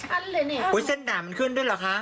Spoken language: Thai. เฮ้ยเส้นด่ามันขึ้นด้วยหรอคะ